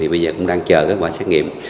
bây giờ cũng đang chờ các bài xét nghiệm